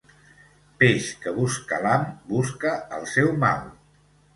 Peix que busca l'ham, busca el seu mal.